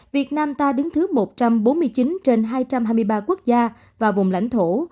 việt nam ta đứng thứ một trăm bốn mươi chín trên hai trăm hai mươi ba quốc gia và vùng lãnh thổ